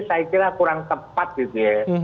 saya kira kurang tepat gitu ya